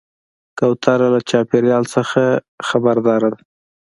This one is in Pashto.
کوتره له چاپېریاله نه خبرداره ده.